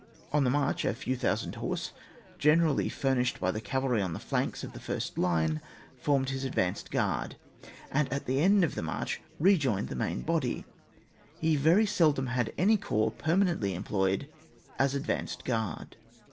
On the march, a few thousand horse, generally furnished by the cavalry on the flanks of the first line, formed his advanced g^ard, and at the end of the march rejoined the main body. He very seldom had any corps permanently employed as advanced guard.